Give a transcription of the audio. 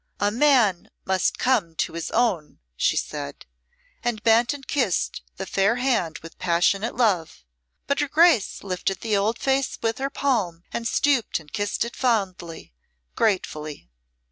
"A man must come to his own," she said, and bent and kissed the fair hand with passionate love, but her Grace lifted the old face with her palm, and stooped and kissed it fondly gratefully.